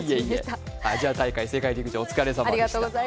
アジア大会、世界陸上、お疲れさまでした。